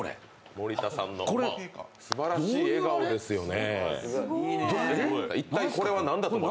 森田さんのすばらしい笑顔ですよね。